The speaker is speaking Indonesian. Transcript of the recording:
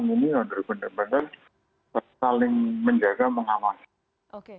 ini harus benar benar saling menjaga mengawasi